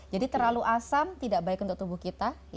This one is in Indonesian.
jadi terlalu asam tidak baik untuk tubuh kita